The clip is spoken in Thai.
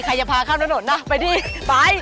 ใครจะพาข้ามนั่นหน่อยนะไปดิไป